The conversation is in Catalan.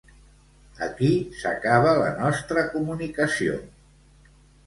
Aquí s'acaba la nostra comunicació.